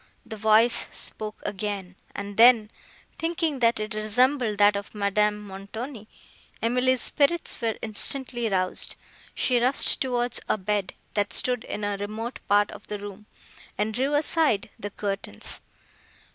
The voice spoke again; and, then, thinking that it resembled that of Madame Montoni, Emily's spirits were instantly roused; she rushed towards a bed, that stood in a remote part of the room, and drew aside the curtains.